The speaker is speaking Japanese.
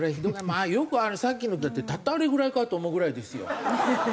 まあよくあれさっきのだってたったあれぐらいかと思うぐらいですよ。